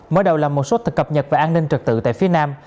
mở đầu là một số thực cập nhật về an ninh trật tự tại phía nam